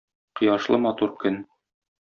Кояшлы матур көн.